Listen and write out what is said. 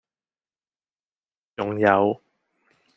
仲有